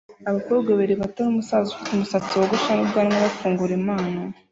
Abakobwa babiri bato numusaza ufite umusatsi wogosha n'ubwanwa bafungura impano